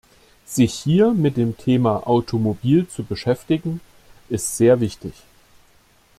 Sich hier mit dem Thema Automobil zu beschäftigen, ist sehr wichtig.